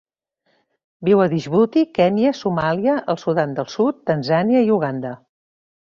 Viu a Djibouti, Kenya, Somàlia, el Sudan del Sud, Tanzània i Uganda.